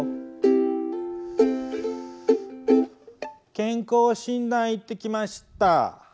健康診断行ってきました。